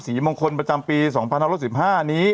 มงคลประจำปี๒๕๑๕นี้